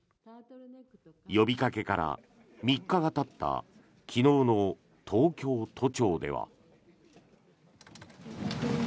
呼びかけから３日がたった昨日の東京都庁では。